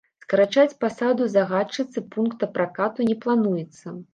Скарачаць пасаду загадчыцы пункта пракату не плануецца.